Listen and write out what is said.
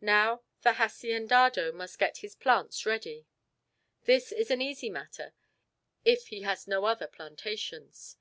Now the haciendado must get his plants ready. This is an easy matter if he has other plantations.